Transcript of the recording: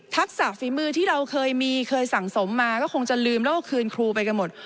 ทักษะฝีมือที่เราเคยมีเคยสั่งสมมาก็คงจะลืมแล้วก็คืนครูไปกันหมด